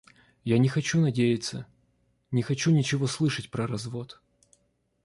Я не хочу надеяться, не хочу ничего слышать про развод.